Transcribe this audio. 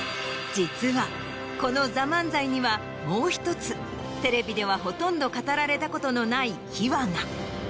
実はこの『ＴＨＥＭＡＮＺＡＩ』にはもう１つテレビではほとんど語られたことのない秘話が。